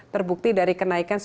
terbukti dari kenaikan